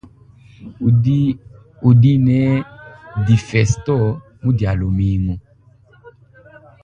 Udi ne difesto mu dialumingu.